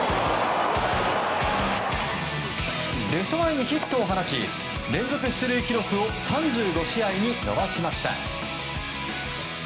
レフト前にヒットを放ち連続出塁記録を３５試合に伸ばしました。